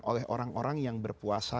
oleh orang orang yang berpuasa